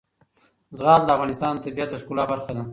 زغال د افغانستان د طبیعت د ښکلا برخه ده.